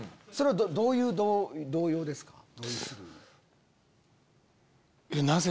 それはどういう動揺ですか？